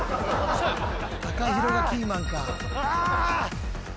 ＴＡＫＡＨＩＲＯがキーマンか。